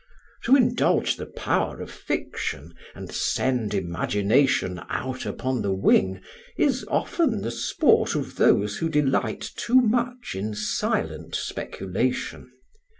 "To indulge the power of fiction and send imagination out upon the wing is often the sport of those who delight too much in silent speculation.